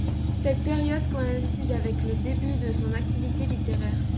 Cette période coïncide avec le début de son activité littéraire.